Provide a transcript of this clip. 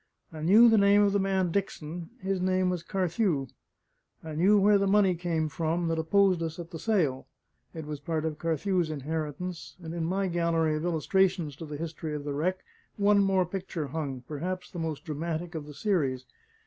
I knew the name of the man Dickson his name was Carthew; I knew where the money came from that opposed us at the sale it was part of Carthew's inheritance; and in my gallery of illustrations to the history of the wreck, one more picture hung; perhaps the most dramatic of the series.